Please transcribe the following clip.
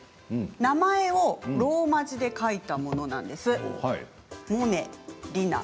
名前をローマ字で書いたものです。